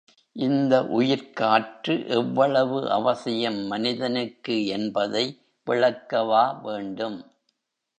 இந்த உயிர்க்காற்று எவ்வளவு அவசியம் மனிதனுக்கு என்பதை விளக்கவா வேண்டும்.